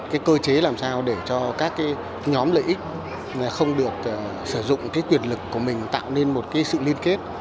cái cơ chế làm sao để cho các nhóm lợi ích không được sử dụng cái quyền lực của mình tạo nên một cái sự liên kết